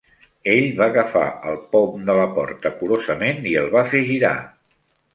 Ell va agafar el pom de la porta curosament i el va fer girar.